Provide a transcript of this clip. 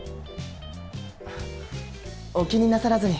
お気になさらずに。